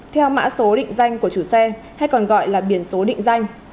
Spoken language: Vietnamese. theo mã số định danh của chủ xe hay còn gọi là biển số định danh